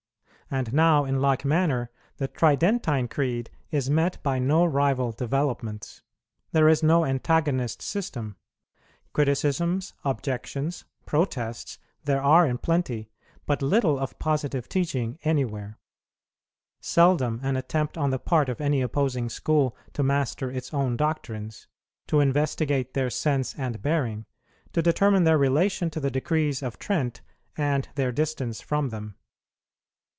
And now in like manner the Tridentine Creed is met by no rival developments; there is no antagonist system. Criticisms, objections, protests, there are in plenty, but little of positive teaching anywhere; seldom an attempt on the part of any opposing school to master its own doctrines, to investigate their sense and bearing, to determine their relation to the decrees of Trent and their distance from them.